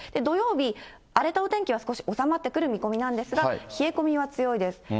土曜日、荒れたお天気は少し収まってくる見込みなんですが、冷え込みは強いです。